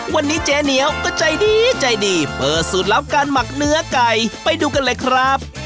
วันนี้เจ๊เหนียวก็ใจดีใจดีเปิดสูตรลับการหมักเนื้อไก่ไปดูกันเลยครับ